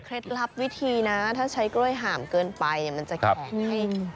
เคล็ดลับวิธีนะถ้าใช้กล้วยห่ามเกินไปเนี่ยมันจะแข็ง